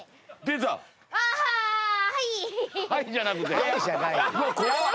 「はい」じゃなくて。